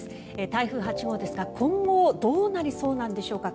台風８号ですが、今後どうなりそうなんでしょうか。